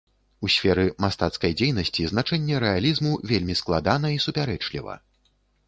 У сферы мастацкай дзейнасці значэнне рэалізму вельмі складана і супярэчліва.